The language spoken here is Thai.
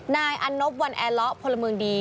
นายอันนบวันแอร์ล็อคโพลมึงดี